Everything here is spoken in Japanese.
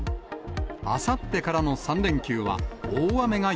あさってからの３連休は、大雨が